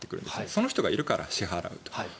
その人がいるから支払うと。